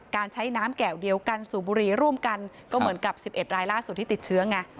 การใช้น้ำแก่วเดียวกันสูบบุรีร่วมกันก็เหมือนกับ๑๑รายล่าสุดที่ติดเชื้อไง